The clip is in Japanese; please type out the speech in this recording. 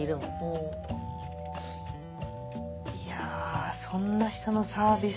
いやぁそんな人のサービス